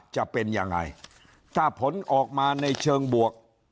จะเป็นยังไงถ้าผลออกมาในเชิงบวก